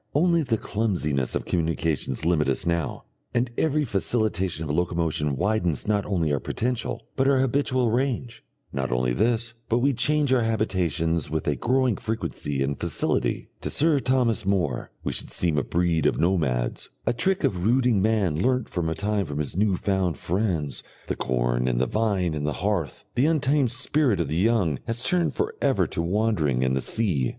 Only the clumsiness of communications limit us now, and every facilitation of locomotion widens not only our potential, but our habitual range. Not only this, but we change our habitations with a growing frequency and facility; to Sir Thomas More we should seem a breed of nomads. That old fixity was of necessity and not of choice, it was a mere phase in the development of civilisation, a trick of rooting man learnt for a time from his new found friends, the corn and the vine and the hearth; the untamed spirit of the young has turned for ever to wandering and the sea.